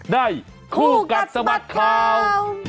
ได้คู่กัดสมัติข่าว